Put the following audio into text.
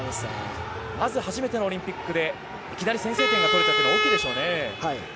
まず初めてのオリンピックでいきなり先制点が取れたというのは大きいでしょうね。